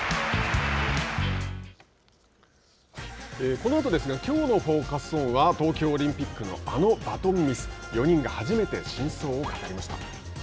このあとですがきょうの「Ｆｏｃｕｓｏｎ」は東京オリンピックのあのバトンミス４人が初めて真相を語りました。